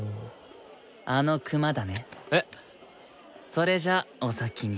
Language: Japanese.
それじゃお先に。